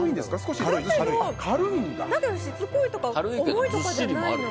しつこいとか重いとかじゃないの。